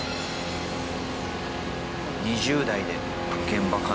２０代で現場監督。